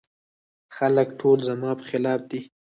خلګ ټول زما په خلاف دي.